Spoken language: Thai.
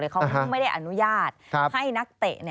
เขาไม่ได้อนุญาตให้นักเตะ